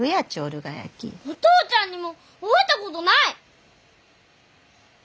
お父ちゃんにも会うたことない！